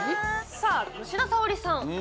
さあ、吉田沙保里さん。